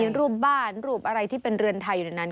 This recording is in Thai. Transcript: รูปบ้านรูปอะไรที่เป็นเรือนไทยอยู่ในนั้น